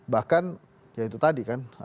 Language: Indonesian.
bahkan ya itu tadi kan